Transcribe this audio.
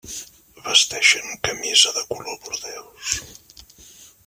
Vesteixen camisa de color bordeus.